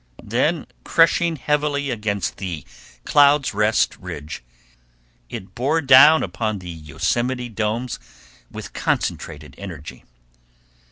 Then, crushing heavily against the Clouds' Rest Ridge, it bore down upon the Yosemite domes with concentrated energy.